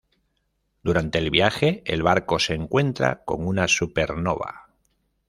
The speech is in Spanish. Durante el viaje, el barco se encuentra con una supernova.